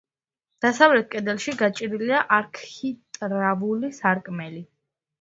დასავლეთ კედელში გაჭრილია არქიტრავული სარკმელი.